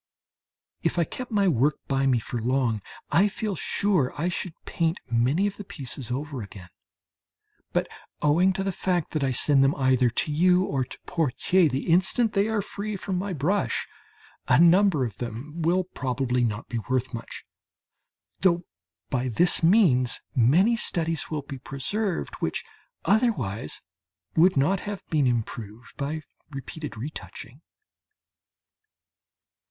If I kept my work by me for long, I feel sure I should paint many of the pieces over again. But owing to the fact that I send them either to you or to Pottier the instant they are free from my brush, a number of them will probably not be worth much, though by this means many studies will be preserved which otherwise would not have been improved by repeated retouching.